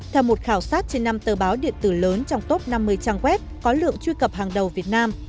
theo một khảo sát trên năm tờ báo điện tử lớn trong top năm mươi trang web có lượng truy cập hàng đầu việt nam